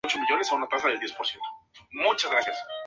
Su segunda mujer, Matilde, hija del rey Roger I de Sicilia.